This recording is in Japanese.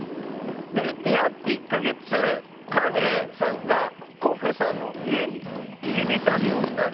で出会って１か月カネさんがコッフェさんの家に入り浸るようになるらしいんですよ。